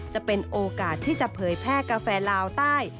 จะเป็นโอกาสที่จะเผยแพร่กาแฟลาวใต้